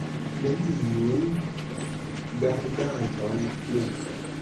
Neniun gardanton plu!